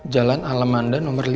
jalan alamanda nomor lima